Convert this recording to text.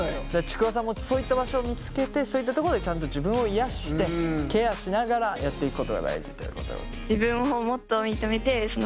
ちくわさんもそういった場所を見つけてそういったとこでちゃんと自分を癒やしてケアしながらやっていくことが大事ということ。